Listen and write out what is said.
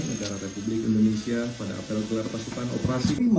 negara republik indonesia pada apel gelar pasukan operasi lima